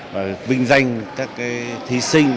và vinh danh các thí sinh